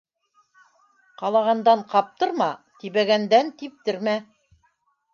Ҡалағандан ҡаптырма, тибәгәндән типтермә;